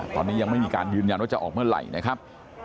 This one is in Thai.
ตอนนี้ยังไม่มีการยืนยันว่าจะออกเมื่อไหร่นะครับ